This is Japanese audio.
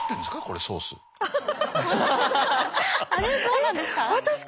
あれそうなんですか？